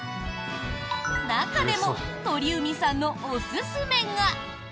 中でも鳥海さんのおすすめが。